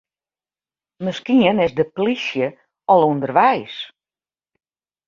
Miskien is de plysje al ûnderweis.